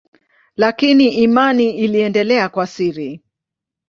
Lakini imani iliendelea kwa siri.